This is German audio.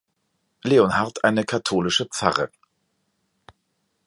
Leonhard eine katholische Pfarre.